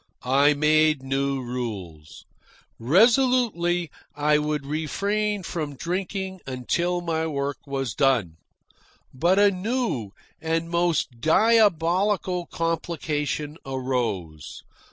I made new rules. Resolutely I would refrain from drinking until my work was done. But a new and most diabolical complication arose.